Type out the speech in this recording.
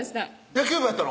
野球部やったの？